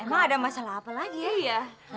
emang ada masalah apa lagi ya